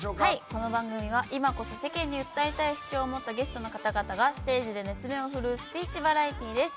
この番組は今こそ世間に訴えたい主張を持ったゲストの方々がステージで熱弁を振るうスピーチバラエティーです。